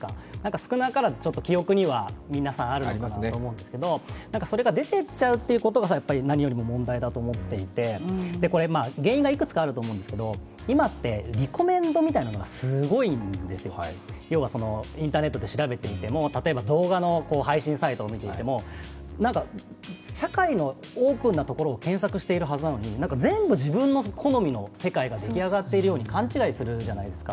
少なからず記憶には皆さんあるかなと思うんですけど、それが出てっちゃうところが何よりも問題だと思っていて原因がいくつかあると思うんですけど、今って、リコメンドみたいなのがすごいんですよ、要はインターネットで調べていても例えば動画の配信サイトを見ていても、社会のオープンなところを検索しているはずなのに全部自分の好みの世界が出来上がっているように勘違いするじゃないですか。